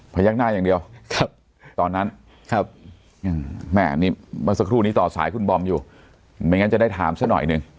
ยักหน้าอย่างเดียวตอนนั้นแม่นี่เมื่อสักครู่นี้ต่อสายคุณบอมอยู่ไม่งั้นจะได้ถามซะหน่อยหนึ่ง